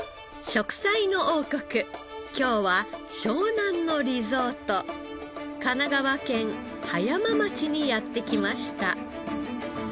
『食彩の王国』今日は湘南のリゾート神奈川県葉山町にやって来ました。